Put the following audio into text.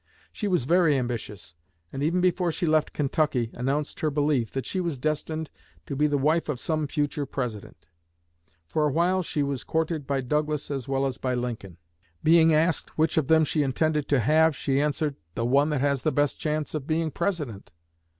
She was very ambitious, and even before she left Kentucky announced her belief that she was destined to be the wife of some future President. For a while she was courted by Douglas as well as by Lincoln. Being asked which of them she intended to have, she answered, 'The one that has the best chance of being President.'